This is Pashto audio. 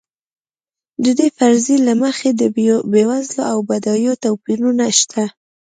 د دې فرضیې له مخې د بېوزلو او بډایو توپیرونه شته.